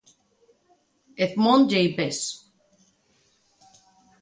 Edmond Jabés.